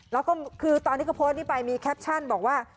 แล้วก็คือตอนที่เขาโพสต์นี้ไปมีแคปชั่นบอกว่า